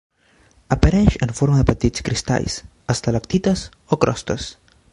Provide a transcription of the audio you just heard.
Apareix en forma de petits cristalls, estalactites o crostes.